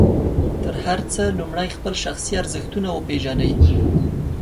تر هر څه لومړی خپل شخصي ارزښتونه وپېژنئ.